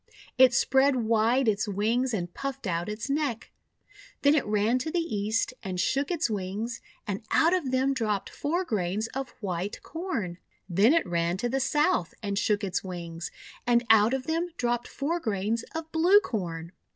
It spread wide its wings and puffed out its neck. Then it ran to the East and shook its wings, and out of them dropped four grains of White Corn. Then it ran to the South and shook its wings, and out of them dropped four grains of Blue Corn.